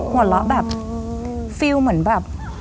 หัวเราะแบบฟิลเหมือนแบบ